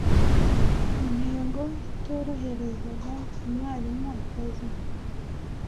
intego itoroherezaga umwarimu akazi